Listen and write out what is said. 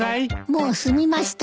もう済みました。